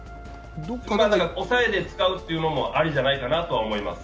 抑えで使うというのはありじゃないかなと思います。